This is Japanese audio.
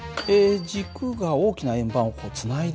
軸が大きな円盤をつないでいるだけ。